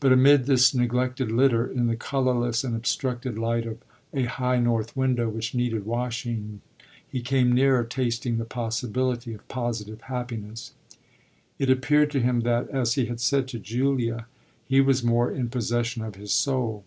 But amid this neglected litter, in the colourless and obstructed light of a high north window which needed washing, he came nearer tasting the possibility of positive happiness: it appeared to him that, as he had said to Julia, he was more in possession of his soul.